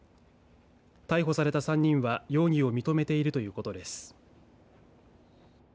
逮捕された３人は容疑を認めているということです。